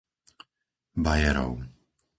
Bajerov